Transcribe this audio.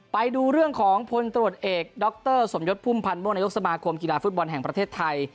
ไปดูเรื่องของพลตรวจเอกดรสมยศพุ่มพันธ์ม่วงนายกสมาคมกีฬาฟุตบอลแห่งประเทศไทย